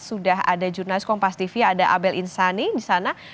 sudah ada jurnalis kompas tv ada abel insani di sana